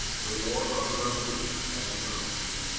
The war of the Revolution had begun.